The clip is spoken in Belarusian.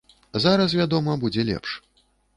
Зараз, вядома, будзе лепш.